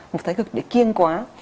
một thái cực để kiêng quá